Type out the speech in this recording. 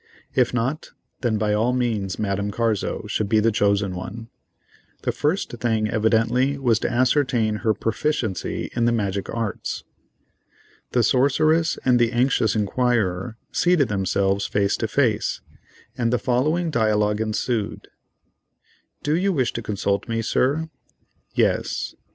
If not, then by all means Madame Carzo should be the chosen one. The first thing evidently was to ascertain her proficiency in the magic arts. The sorceress and the anxious inquirer seated themselves face to face, and the following dialogue ensued: "Do you wish to consult me, Sir?" "Yes."